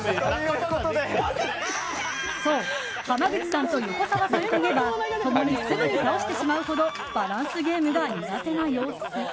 そう濱口さんと横澤さんといえば共にすぐに倒してしまうほどバランスゲームが苦手な様子。